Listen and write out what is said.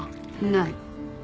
ない。